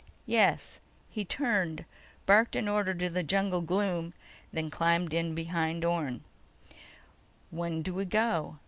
"Yes." He turned, barked an order into the jungle gloom, then climbed in behind Orne. "When do we go?"